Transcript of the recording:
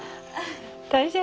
大丈夫？